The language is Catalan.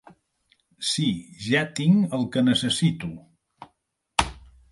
Sí, ja tinc el que necessito.